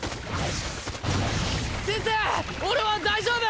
先生俺は大丈夫！